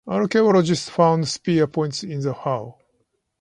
Archaeologists found spear points in the hull.